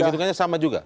hitungannya sama juga